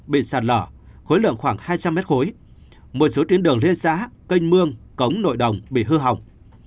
bị sạt lở khối lượng khoảng hai trăm linh m khối một số tuyến đường liên xã cây mương cống nội đồng bị hư hỏng